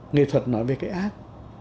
nghệ thuật nói về cái ác